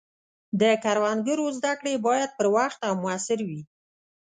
د کروندګرو زده کړې باید پر وخت او موثر وي.